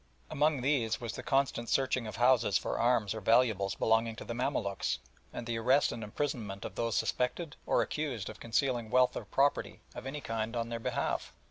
Among these was the constant searching of houses for arms or valuables belonging to the Mamaluks, and the arrest and imprisonment of those suspected or accused of concealing wealth or property of any kind on their behalf.